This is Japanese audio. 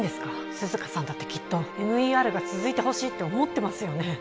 涼香さんだってきっとＭＥＲが続いてほしいって思ってますよね